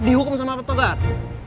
dihukum sama pak togar